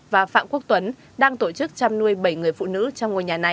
và phạm quốc tuấn đang tổ chức chăm nuôi bảy người phụ nữ